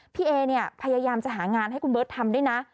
พี่เอเนี่ยพยายามจะหางานให้คุณเบิร์ตทำด้วยนะ